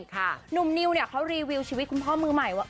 หนุ่มนิวเนี่ยเขารีวิวชีวิตคุณพ่อมือใหม่ว่า